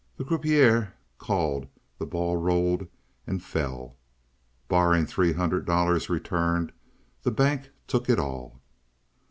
The croupier called, the ball rolled and fell. Barring three hundred dollars returned, the bank took it all.